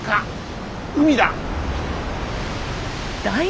海だ！